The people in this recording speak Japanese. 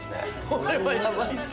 これはやばいっす。